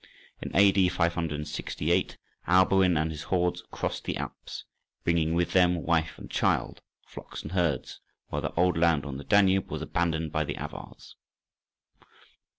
In A.D. 568 Alboin and his hordes crossed the Alps, bringing with them wife and child, and flocks and herds, while their old land on the Danube was abandoned to the Avars.